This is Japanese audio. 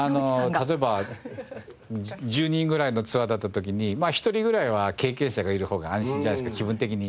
例えば１０人ぐらいのツアーだった時に１人ぐらいは経験者がいるほうが安心じゃないですか気分的に。